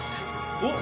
おっ。